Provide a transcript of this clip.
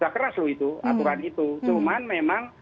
sudah keras loh itu aturan itu cuman memang